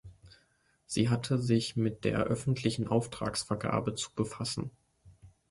Sie hatte sich mit der "öffentlichen Auftragsvergabe" zu befassen.